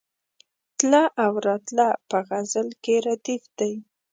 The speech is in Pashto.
تله او راتله په غزل کې ردیف دی.